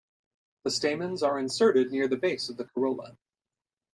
The stamens are inserted near the base of the corolla.